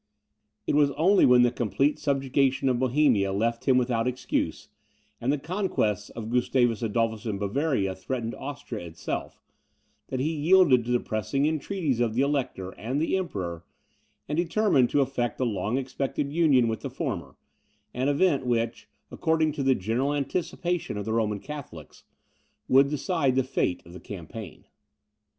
It was only when the complete subjugation of Bohemia left him without excuse, and the conquests of Gustavus Adolphus in Bavaria threatened Austria itself, that he yielded to the pressing entreaties of the Elector and the Emperor, and determined to effect the long expected union with the former; an event, which, according to the general anticipation of the Roman Catholics, would decide the fate of the campaign.